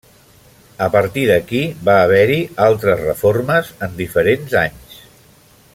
A partir d'aquí va haver-hi altres reformes en diferents anys.